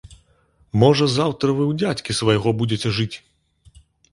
Можа, заўтра вы ў дзядзькі свайго будзеце жыць!